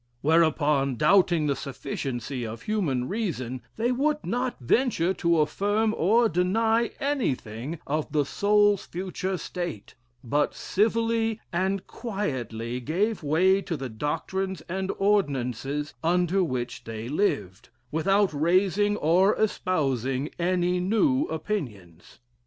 Whereupon, doubting the sufficiency of human reason, they would not venture to affirm or deny anything of the soul's future state; but civilly and quietly gave way to the doctrines and ordinances under which they lived, without raising or espousing any new opinions."